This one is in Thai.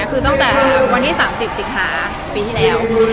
คือตั้งแต่วันที่๓๐สิงหาปีที่แล้ว